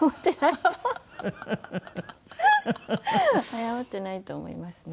謝ってないと思いますね。